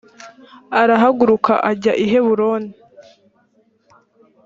arahaguruka ajya i heburoni